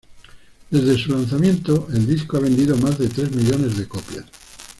Desde su lanzamiento, el disco ha vendido más de tres millones de copias.